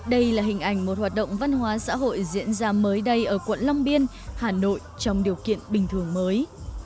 đây là hình ảnh một hoạt động văn hóa xã hội diễn ra mới đây ở quận long biên hà nội trong điều kiện bình thường mới